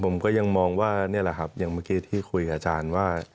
ผมก็ยังมองว่านี่แหละครับอย่างเมื่อกี้ที่คุยกับอาจารย์ว่า